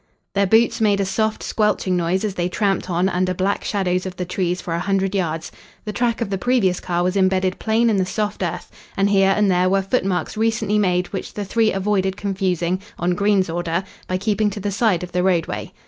Their boots made a soft, squelching noise as they tramped on under black shadows of the trees for a hundred yards. The track of the previous car was embedded plain on the soft earth. And here and there were footmarks recently made which the three avoided confusing, on Green's order, by keeping to the side of the roadway.